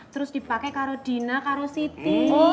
terus dipake karo dina karo siti